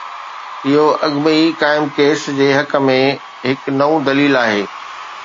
اهو اڳ ۾ ئي قائم ڪيس جي حق ۾ هڪ نئون دليل آهي.